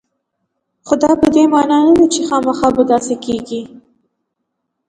خو دا په دې معنا نه ده چې خامخا به داسې کېږي